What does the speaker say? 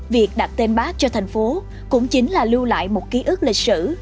việc đặt tên bác cho thành phố cũng chính là lưu lại một ký ức lịch sử